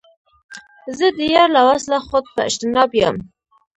زه د یار له وصله خود په اجتناب یم